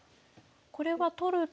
これは取ると。